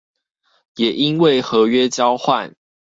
也因為合約交換